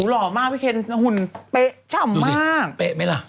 อ๋อหูหล่อมากพี่เค้นหุ่นเป๊ะชำมากดูสิเป๊ะมั้ยล่ะ